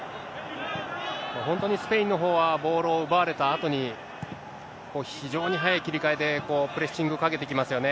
本当にスペインのほうは、ボールを奪われたあとに、非常に速い切り替えで、プレッシングをかけてきますよね。